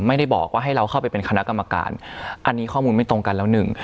ไม่ได้บอกว่าให้เราเข้าไปเป็นคณะกรรมการอันนี้ข้อมูลไม่ตรงกันแล้วหนึ่ง